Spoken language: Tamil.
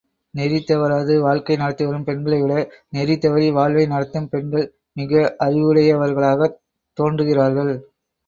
நெறி தவறாது வாழ்க்கை நடத்திவரும் பெண்களைவிட, நெறி தவறி வாழ்வை நடத்தும் பெண்கள் மிக அறிவுடையவர்களாகத் தோன்றுகிறார்கள்.